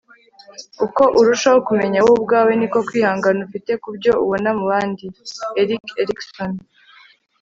uko urushaho kumenya wowe ubwawe, ni ko kwihangana ufite kubyo ubona mu bandi. - erik erikson